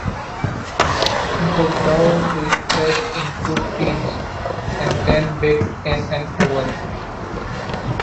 The dough is pressed into tins, and then baked in an oven.